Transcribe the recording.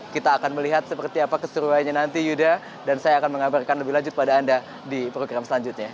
kita akan melihat seperti apa keseruannya nanti yuda dan saya akan mengabarkan lebih lanjut pada anda di program selanjutnya